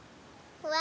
うわ！